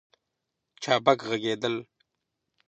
چابک ږغېدل